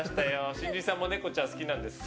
新人さんもネコちゃん好きなんですか。